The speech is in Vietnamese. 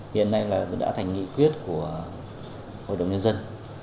hiện nay là đã thành nghị quyết của hội đồng nhân dân